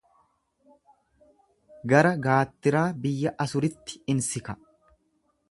Gara gaattiraa biyya Asuritti in sika.